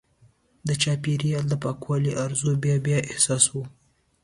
د چاپېریال د پاکوالي ارزو بیا بیا احساسوو.